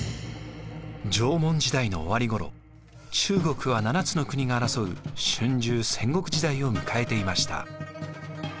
縄文時代の終わりごろ中国は７つの国が争う春秋・戦国時代を迎えていました。